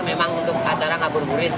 memang untuk acara ngabuburit